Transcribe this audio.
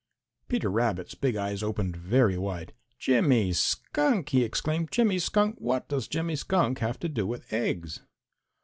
Peter Rabbit's big eyes opened very wide. "Jimmy Skunk!" he exclaimed. "Jimmy Skunk! What does Jimmy Skunk have to do with eggs?"